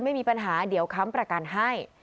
ไม่มีปัญหาเดี๋ยวค้ำประกันให้